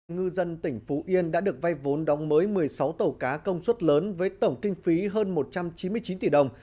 ngư dân tỉnh phú yên đã được vay vốn đóng mới một mươi sáu tàu cá công suất lớn với tổng kinh phí hơn một trăm chín mươi chín tỷ đồng